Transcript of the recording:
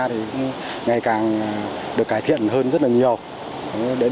thì cũng ngày càng được cải thiện hơn rất là nhiều